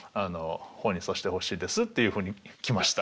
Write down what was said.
本にさしてほしいですっていうふうに来ました。